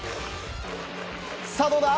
さあ、どうだ。